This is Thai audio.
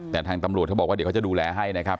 แต่ทางตำรวจเขาบอกว่าเดี๋ยวเขาจะดูแลให้นะครับ